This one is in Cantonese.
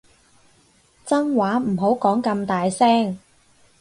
真話唔好講咁大聲